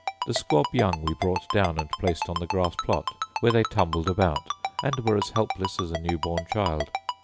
The squab young we brought down and placed on the grass plot, where they tumbled about, and were as helpless as a new born child.